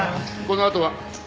このあとは？